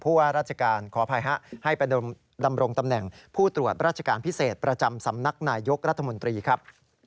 ว่าราชการขออภัยฮะให้ไปดำรงตำแหน่งผู้ตรวจราชการพิเศษประจำสำนักนายยกรัฐมนตรีครับ